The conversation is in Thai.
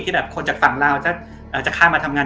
แบบคนจากฝั่งลาวจะข้ามมาทำงาน